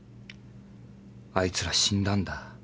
あいつら死んだんだ？